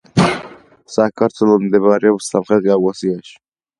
საქართველო მდებარეობს სამხრეთ კავკასიაში.